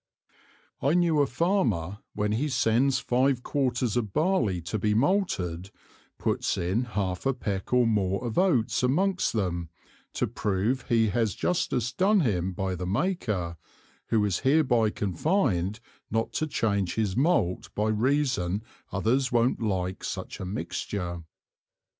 I knew a Farmer, when he sends five Quarters of Barley to be Malted, puts in half a Peck or more of Oats amongst them, to prove he has justice done him by the Maker, who is hereby confin'd not to Change his Malt by reason others won't like such a mixture.